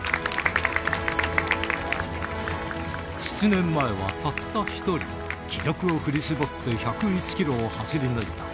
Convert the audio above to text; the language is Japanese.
７年前はたった一人、気力を振り絞って１０１キロを走り抜いた。